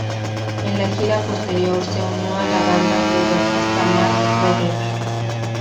En la gira posterior, se unió a la banda el bajista Mark Vogler.